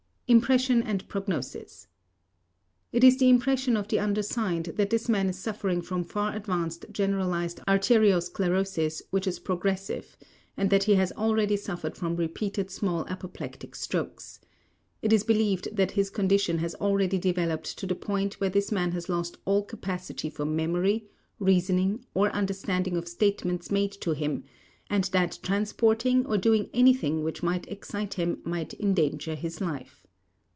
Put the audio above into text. IMPRESSION AND PROGNOSIS: It is the impression of the undersigned that this man is suffering from far advanced generalized arteriosclerosis which is progressive and that he has already suffered from repeated small apoplectic strokes. It is believed that this condition has already developed to the point where this man has lost all capacity for memory, reasoning or understanding of statements made to him and that transporting or doing anything which might excite him might endanger his life.